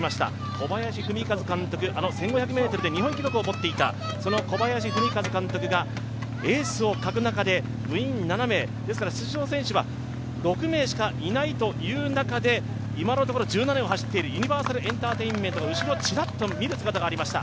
小林史和監督、あの１５００ｍで日本記録を取っていたその小林史和監督がエースを欠く中で部員７名、ですから出場選手は６名しかいないという中で今のところ１７位を走っているユニバーサルエンターテインメントの後ろをチラッと見る姿がありました。